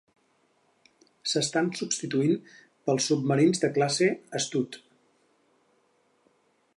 S'estan substituint pels submarins de classe "Astute".